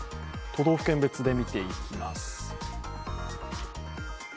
都道府県別で見ていきます。